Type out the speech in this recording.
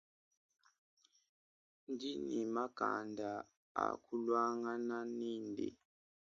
Ndi ni makanda akuluangana nende.